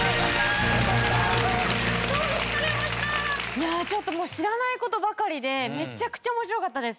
いやちょっともう知らない事ばかりでめちゃくちゃ面白かったです。